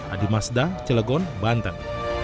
adi masda cilegon banten